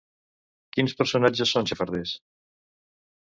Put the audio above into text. Quins personatges són xafarders?